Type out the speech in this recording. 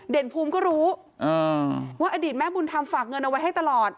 ภูมิก็รู้ว่าอดีตแม่บุญธรรมฝากเงินเอาไว้ให้ตลอด